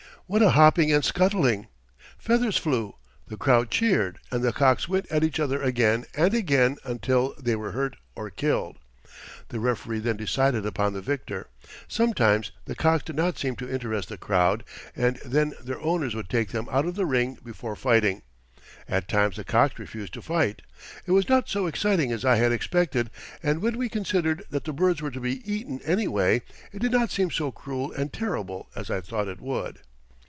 What a hopping and scuttling! Feathers flew, the crowd cheered, and the cocks went at each other again and again until they were hurt or killed. The referee then decided upon the victor. Sometimes the cocks did not seem to interest the crowd, and then their owners would take them out of the ring before fighting; at times the cocks refused to fight. It was not so exciting as I had expected, and when we considered that the birds were to be eaten anyway, it did not seem so cruel and terrible as I thought it would.